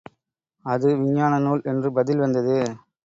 அது விஞ்ஞான நூல் என்று பதில் வந்தது.